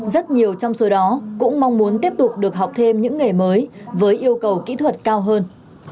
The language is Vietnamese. rất nhiều trong số đó cũng mong muốn tiếp tục được học thêm những nghề mới với yêu cầu kỹ thuật cao hơn